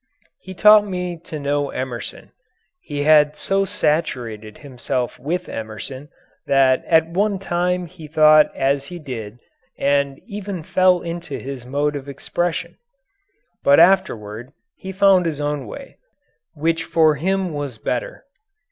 He taught me to know Emerson. He had so saturated himself with Emerson that at one time he thought as he did and even fell into his mode of expression. But afterward he found his own way which for him was better.